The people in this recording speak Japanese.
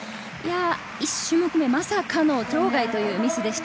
１種目目まさかの場外というミスでした。